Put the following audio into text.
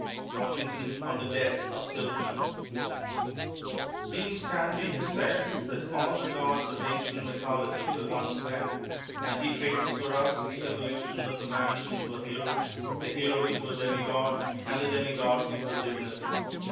Washington, on the Death of Tilghman [Illustration: GEORGE WASHINGTON] Dean Stanley has said that all the gods of ancient mythology were once men, and he traces for us the evolution of a man into a hero, the hero into a demigod, and the demigod into a divinity.